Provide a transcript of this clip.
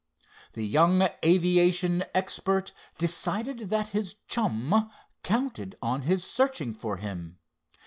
The young aviation expert decided that his chum counted on his searching for him.